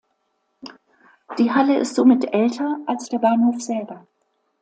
Die Halle ist somit älter als der Bahnhof selber.